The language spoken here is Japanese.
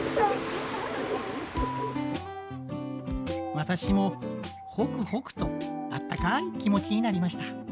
私もほくほくとあったかい気持ちになりました。